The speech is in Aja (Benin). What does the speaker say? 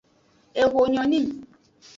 Eho nyo ni.